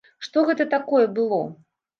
Што гэта такое было?